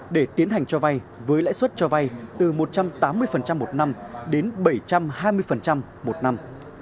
để tiến hành cho vay với lãi suất cho vay từ một trăm tám mươi một năm đến bảy trăm hai mươi một năm